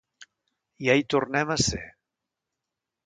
Ja hi tornem a ser!